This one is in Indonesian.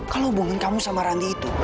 kalau hubungin kamu sama randi itu